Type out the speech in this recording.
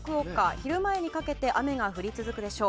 昼前にかけて雨が降り続くでしょう。